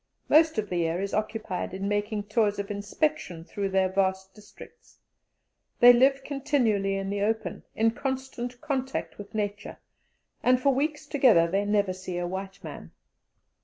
Most of the year is occupied in making tours of inspection through their vast districts; they live continually in the open, in constant contact with Nature, and for weeks together they never see a white man.